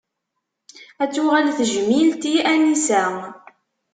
Ad tuɣal tejmilt i Anisa.